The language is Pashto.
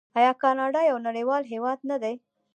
آیا کاناډا یو نړیوال هیواد نه دی؟